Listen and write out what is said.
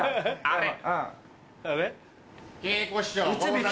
あれ？